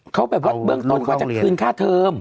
เขาจับบัญชาขึ้นค่าเทิม